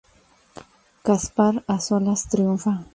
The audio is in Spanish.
Caspar, a solas, triunfa.